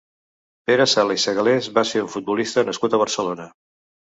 Pere Sala i Segalés va ser un futbolista nascut a Barcelona.